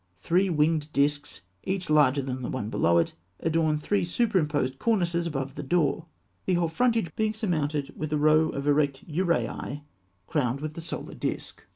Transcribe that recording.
Three winged discs, each larger than the one below it, adorn three superimposed cornices above the door, the whole frontage being surmounted by a row of erect uraei, crowned with the solar disc.